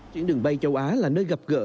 diễn đường bay châu á là nơi gặp gỡ